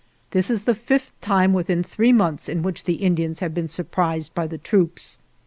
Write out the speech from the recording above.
This is the fifth time within three months in which the Indians have been surprised by the troops.